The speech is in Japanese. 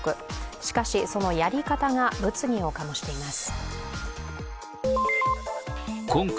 しかし、そのやり方が物議を醸しています。